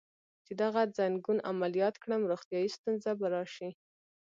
چې دغه ځنګون عملیات کړم، روغتیایی ستونزه به راشي.